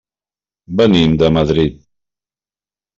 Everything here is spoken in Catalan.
Venim de Madrid.